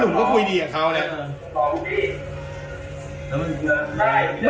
มือเนี่ยอยู่ในกระเป๋าเห็นมั้ย